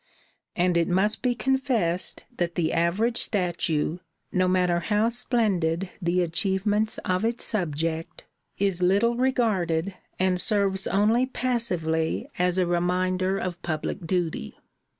And it must be confessed that the average statue, no matter how splendid the achievements of its subject, is little regarded and serves only passively as a reminder of public duty.